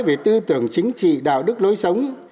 về tư tưởng chính trị đạo đức lối sống